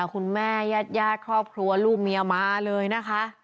คุณแม่ญาติครอบครัวลูกเมียมาเลยนะคะ